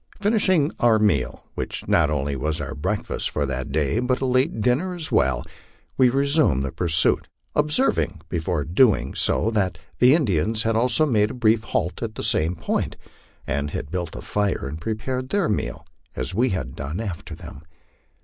Finishing our meal, which not only was our breakfast for that day, but a late dinner as well, we resumed the pursuit, observing before doing so that the Indians had also made a brief halt at the same point, arid had built a Ihe and prepared their meal, as we had done after them.